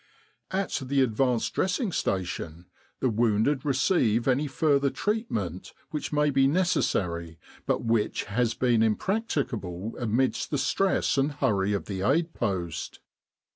At the Advanced Dressing Station the wounded receive any further treatment which may be necessary but which has been impracticable amidst the stress and hurry of the Aid Post.